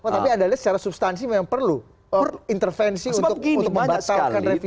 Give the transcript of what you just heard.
tapi anda lihat secara substansi memang perlu intervensi untuk membatalkan revisi